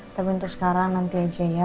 tapi untuk sekarang nanti aja ya